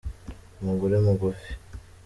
umugore mugufi